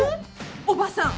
おばさん。